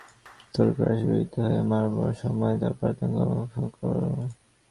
চোর ক্রুশে বিদ্ধ হয়ে মরবার সময় তার প্রাক্তন-কর্মের ফল লাভ করলে।